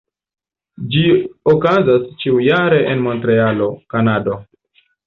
Ĝi okazas ĉiujare en Montrealo, Kanado.